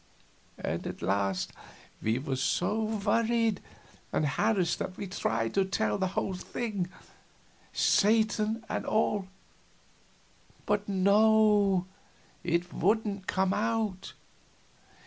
And at last we were so worried and harassed that we tried to tell the whole thing, Satan and all but no, it wouldn't come out.